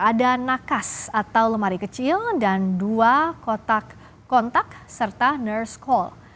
ada nakas atau lemari kecil dan dua kontak serta nur schole